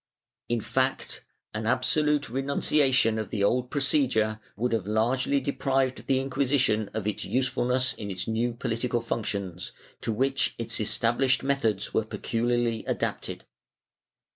^ In fact, an absolute renunciation of the old procedure would have largely deprived the Inquisition of its usefulness in its new political functions, to which its established methods were pecu liarly adapted.